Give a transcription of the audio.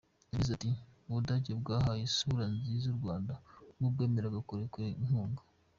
Yagize ati “U Budage bwahaye isura nziza u Rwanda ubwo bwemeraga kurekura inkunga.